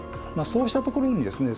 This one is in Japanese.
そうしたところにですね